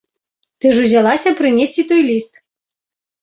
Ты ж узялася прынесці той ліст!